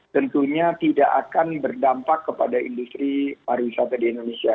tentunya tidak akan berdampak kepada industri pariwisata di indonesia